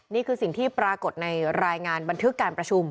นี่คือสิ่งที่ปรากฏในรายงานบันทึกการประชุม